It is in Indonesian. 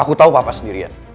aku tau papa sendirian